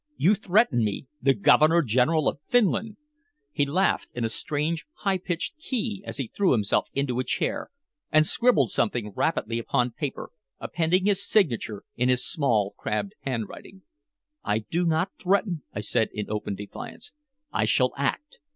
You threaten me the Governor General of Finland!" he laughed in a strange, high pitched key as he threw himself into a chair and scribbled something rapidly upon paper, appending his signature in his small crabbed handwriting. "I do not threaten," I said in open defiance, "I shall act."